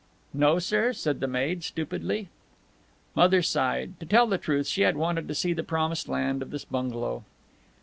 "No, sir," said the maid, stupidly. Mother sighed. To tell the truth, she had wanted to see the promised land of this bungalow.